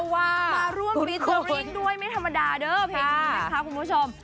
มาร่วมฟีเจอร์ริ่งด้วยไม่ธรรมดาเด้อเพลงนี้นะคะคุณผู้ชม